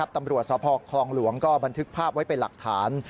ตำรวจสพคลองหลวงก็บันทึกภาพไว้เป็นหลักฐาน